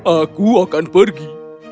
aku akan pergi